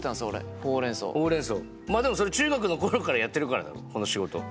でもそれ中学の頃からやってるからだろこの仕事。